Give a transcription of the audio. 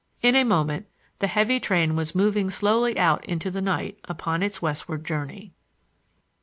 In a moment the heavy train was moving slowly out into the night upon its westward journey.